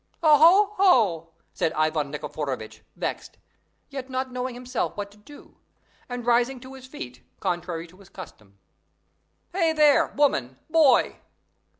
"Oho, ho!" said Ivan Nikiforovitch, vexed, yet not knowing himself what to do, and rising to his feet, contrary to his custom. "Hey, there, woman, boy!"